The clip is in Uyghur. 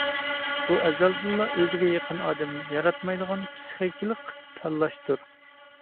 بۇ ئەزەلدىنلا ئۆزىگە يېقىن ئادەمنى ياراتمايدىغان پىسخىكىلىق تاللاشتۇر.